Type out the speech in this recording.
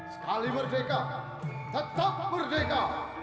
sekali merdeka tetap merdeka